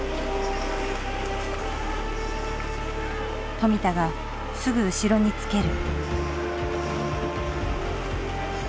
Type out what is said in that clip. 富田がすぐ後ろにつける。